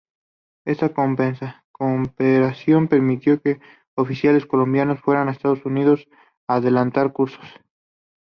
Esta cooperación permitió que oficiales colombianos fueran a Estados Unidos a adelantar cursos.